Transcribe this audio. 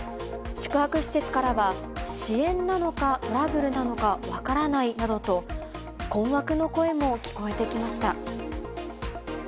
宿泊施設からは、支援なのか、トラブルなのか分からないなどと、困惑の声も聞こえてきました。